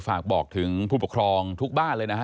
ฝากบอกถึงผู้ปกครองทุกบ้านเลยนะฮะ